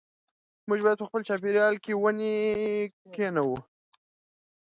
موږ باید په خپل چاپېریال کې ونې کېنوو.